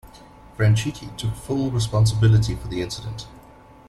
Franchitti took full responsibility for the incident.